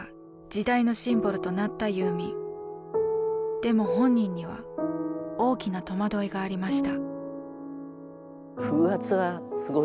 でも本人には大きな戸惑いがありました。